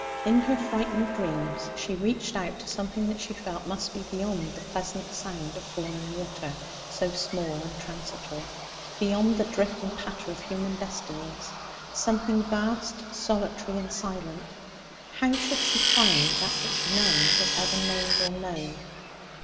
In her frightened dreams she reached out to something that she felt must be beyond the pleasant sound of falling water, so small and transitory; beyond the drip and patter of human destinies something vast, solitary, and silent. How should she find that which none has ever named or known?